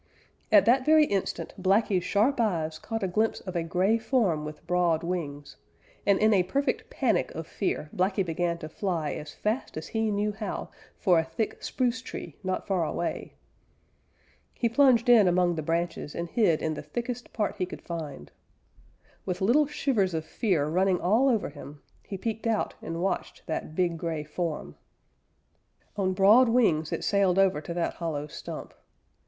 At that very instant Blacky's sharp eyes caught a glimpse of a gray form with broad wings, and in a perfect panic of fear Blacky began to fly as fast as he knew how for a thick spruce tree not far away. He plunged in among the branches and hid in the thickest part he could find. With little shivers of fear running all over him, he peeked out and watched that big gray form. On broad wings it sailed over to that hollow stump.